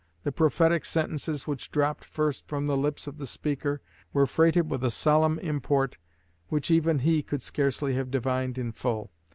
The prophetic sentences which dropped first from the lips of the speaker were freighted with a solemn import which even he could scarcely have divined in full.